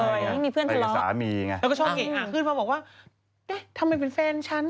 ไม่มีเพื่อนที่รอแล้วก็ชอบเก่งขึ้นพาบอกว่าทำไมเป็นแฟนฉัน